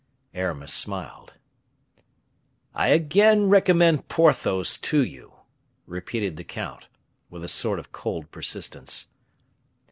Aramis smiled. "I again recommend Porthos to you," repeated the count, with a sort of cold persistence.